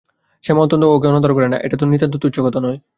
শ্যামা অন্তত ওকে অনাদর করে না, এটা তো নিতান্ত তুচ্ছ কথা নয়।